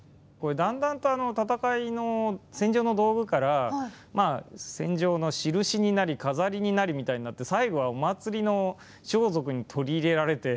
だんだんと戦いの戦場の道具から戦場のしるしになり飾りになりみたいになって最後はお祭りの装束に取り入れられて。